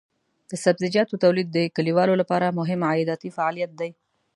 د سبزیجاتو تولید د کليوالو لپاره مهم عایداتي فعالیت دی.